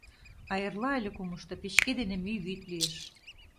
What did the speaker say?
А эрла але кумышто печке дене мӱй вӱд лиеш.